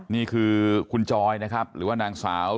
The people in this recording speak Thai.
นี่คือคุณจอยนะครับหรือว่านางสาว